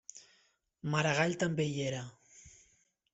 Maragall també hi era.